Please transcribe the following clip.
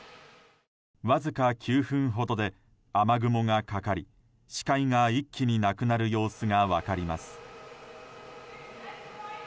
わずか９分ほどで雨雲がかかり視界が一気になくなる様子が分かります。